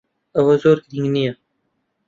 ئەوە زۆر گرنگ نییە.